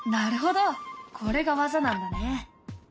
これが技なんだね！